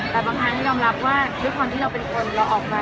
แต่บางทางที่รองรับว่าอยู่ที่คณ์ที่เราเป็นคนเราออกเปล่า